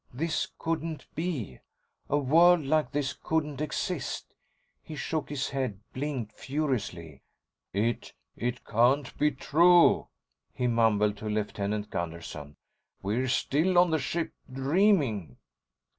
This couldn't be! A world like this couldn't exist! He shook his head, blinked furiously. "It—it can't be true," he mumbled to Lieutenant Gunderson. "We're still on the ship—dreaming."